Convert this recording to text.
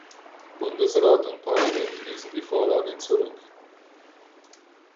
Bundesrat und Parlament wiesen die Vorlage zurück.